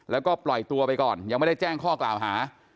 แล้วก็ปล่อยตัวไปก่อนยังไม่ได้แจ้งข้อกล่าวหา